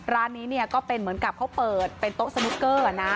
ร้านนี้เนี่ยก็เป็นเหมือนกับเขาเปิดเป็นโต๊ะสนุกเกอร์นะ